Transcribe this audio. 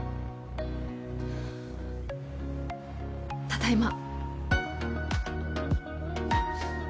ただいま。